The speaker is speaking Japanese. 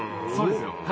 そうですよ。